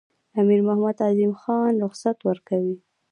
امیر محمد اعظم خان رخصت ورکوي.